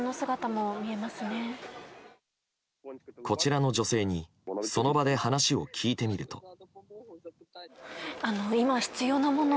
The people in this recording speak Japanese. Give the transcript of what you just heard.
こちらの女性にその場で話を聞いてみると。